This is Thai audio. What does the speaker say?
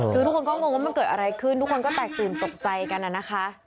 คือทุกคนก็งงว่ามันเกิดอะไรขึ้นทุกคนก็แตกตื่นตกใจกันนะคะ